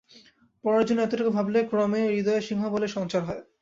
পরের জন্য এতটুকু ভাবলে ক্রমে হৃদয়ে সিংহবলের সঞ্চার হয়।